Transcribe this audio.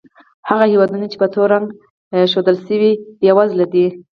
هغه هېوادونه چې په تور رنګ ښودل شوي، بېوزله دي.